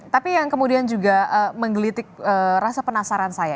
tapi yang kemudian juga menggelitik rasa penasaran saya